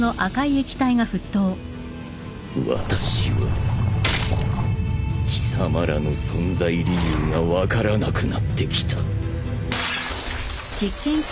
私は貴様らの存在理由が分からなくなってきた。